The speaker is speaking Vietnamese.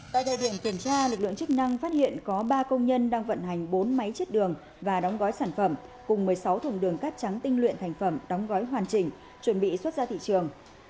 tại thời điểm kiểm tra lực lượng chức năng phát hiện có ba công nhân đang vận hành bốn máy chết đường và đóng gói sản phẩm cùng một mươi sáu thùng đường cát trắng tinh luyện thành phẩm đóng gói hoàn chỉnh chuẩn bị xuất ra thị trường